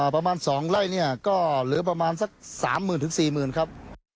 ประมาณสองไร่เนี่ยก็เหลือประมาณสักสามหมื่นถึงสี่หมื่นครับ